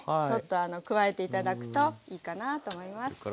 ちょっとあの加えて頂くといいかなと思います。